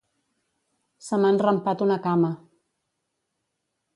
Se m'ha enrampat una cama.